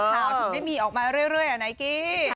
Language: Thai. ถึงได้มีออกมาเรื่อยไนกี้